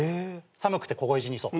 寒くて凍え死にそう。